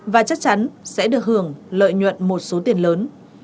và chắc chắn sẽ được hưởng lợi nhuận một số tiền lớn